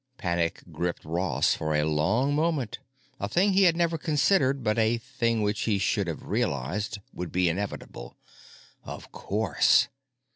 Panic gripped Ross for a long moment. A thing he had never considered, but a thing which he should have realized would be inevitable. Of course!